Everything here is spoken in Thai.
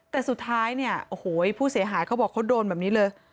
แต่สุดท้ายผู้เสียหายเขาบอกเค้าโดนแบบนี้เลย